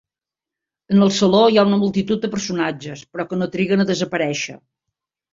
En el saló hi ha una multitud de personatges, però que no triguen a desaparèixer.